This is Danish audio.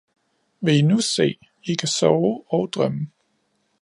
Vil i nu se, i kan sove og drømme